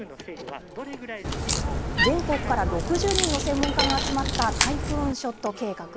全国から６０人の専門家が集まったタイフーンショット計画。